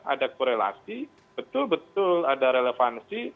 ada korelasi betul betul ada relevansi